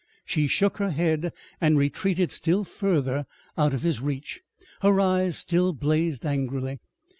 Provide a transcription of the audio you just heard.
She shook her head and retreated still farther out of his reach. Her eyes still blazed angrily.